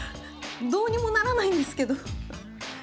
どうにもならないんですけど。